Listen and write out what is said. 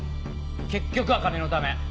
結局は金のため。